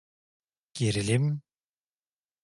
Gerilim…